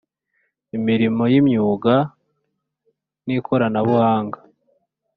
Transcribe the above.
Imirimo y’imyuga n’ikoranabuhanga